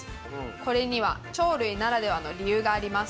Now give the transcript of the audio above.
これには鳥類ならではの理由があります。